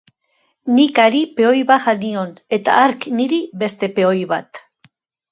Nik hari peoi bat jan nion eta hark niri beste peoi bat.